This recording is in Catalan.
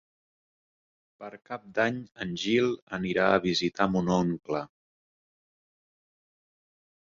Per Cap d'Any en Gil anirà a visitar mon oncle.